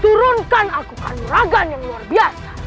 turunkan aku pamuragan yang luar biasa